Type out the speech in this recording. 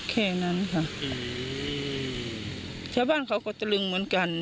อืมแค่นั้นค่ะอืม